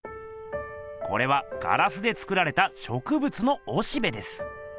これはガラスで作られたしょくぶつのおしべです。